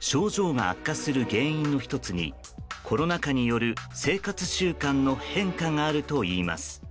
症状が悪化する原因の１つにコロナ禍による生活習慣の変化があるといいます。